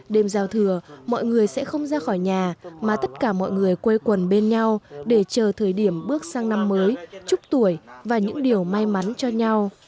đêm giao thừa mọi người sẽ không ra khỏi nhà mà tất cả mọi người quây quần bên nhau để chờ thời điểm bước sang năm mới chúc tuổi và những điều may mắn cho nhau